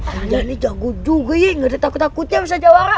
anjani jago juga iya nggak ada takut takutnya bisa jawara